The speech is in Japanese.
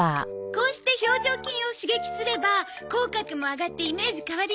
こうして表情筋を刺激すれば口角も上がってイメージ変わりますわよ。